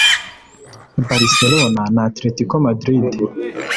Barcelona na Atletico Madrid